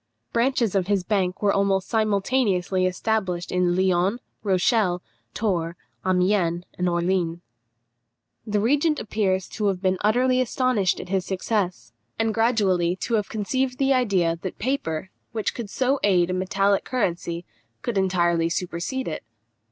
Branches of his bank were almost simultaneously established at Lyons, Rochelle, Tours, Amiens, and Orleans. The regent appears to have been utterly astonished at his success, and gradually to have conceived the idea that paper, which could so aid a metallic currency, could entirely supersede it.